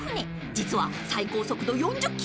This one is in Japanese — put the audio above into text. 実は最高速度４０キロ］